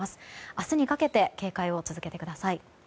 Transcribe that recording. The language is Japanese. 明日にかけて警戒を続けてください。